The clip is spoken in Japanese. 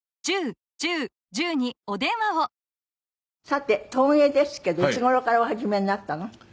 さて陶芸ですけどいつ頃からお始めになったの？